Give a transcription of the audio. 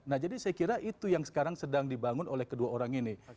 nah jadi saya kira itu yang sekarang sedang dibangun oleh kedua orang ini